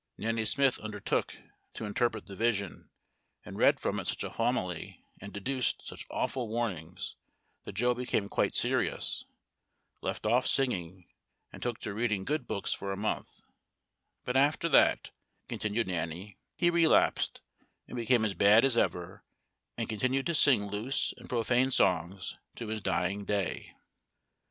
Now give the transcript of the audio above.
Nanny Smith undertook to interpret the vision, and read from it such a homily, and deduced such awful warnings, that Joe became quite serious, left off singing, and took to reading good books for a month; but after that, continued Nanny, he relapsed and became as bad as ever, and continued to sing loose and profane songs to his dying day.